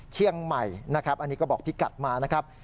เชียงใหม่นะครับอันนี้ก็บอกพี่กัดมานะครับ